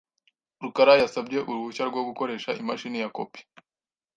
rukara yasabye uruhushya rwo gukoresha imashini ya kopi .